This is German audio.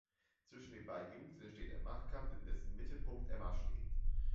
Zwischen den beiden Jungs entsteht ein Machtkampf, in dessen Mittelpunkt Emma steht.